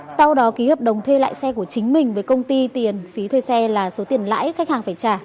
sau đó ký hợp đồng thuê lại xe của chính mình với công ty tiền phí thuê xe là số tiền lãi khách hàng phải trả